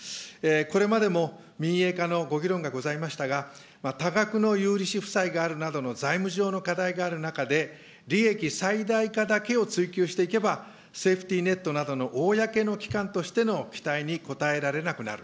これまでも民営化のご議論がございましたが、多額の有利子負債があるなどの財務上の課題がある中で、利益最大化だけを追求していけば、セーフティーネットなどの公の機関としての期待に応えられなくなる。